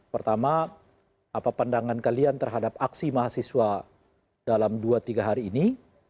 pertama apa pandangan kalian terhadap aksi mahasiswa dalam dua tiga hari ini